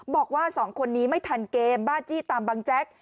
บอกว่าสองคนนี้ไม่ทันเกมบ้าจี้ตามบังแจ๊ก